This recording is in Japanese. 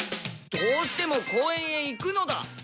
どうしても公園へ行くのだ。